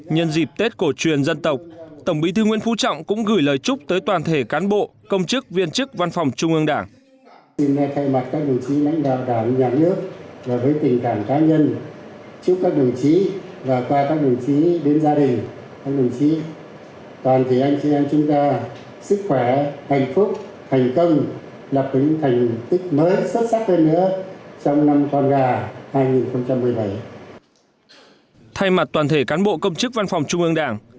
nhân dịp tết cổ truyền dân tộc tổng bí thư nguyên phú trọng cũng gửi lời chúc tới toàn thể cán bộ công chức viên chức văn phòng trung ương đảng